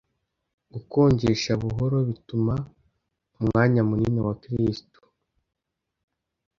Gukonjesha buhoro bituma umwanya munini wa kristu